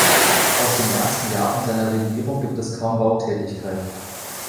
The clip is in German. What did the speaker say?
Aus den ersten Jahren seiner Regierung gibt es kaum Bautätigkeit.